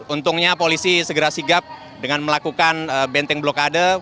untungnya polisi segera sigap dengan melakukan benteng blokade